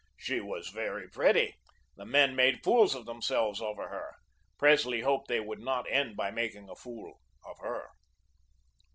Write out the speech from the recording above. She was very pretty; the men made fools of themselves over her. Presley hoped they would not end by making a fool of her.